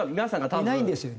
いないんですよ